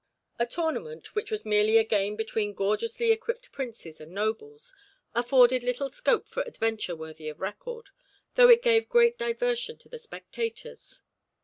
A tournament, which was merely a game between gorgeously equipped princes and nobles, afforded little scope for adventure worthy of record, though it gave great diversion to the spectators.